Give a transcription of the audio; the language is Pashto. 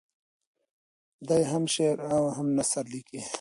دی هم شعر او هم نثر لیکي.